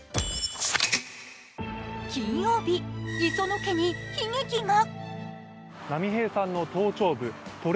金曜日、磯野家に悲劇が。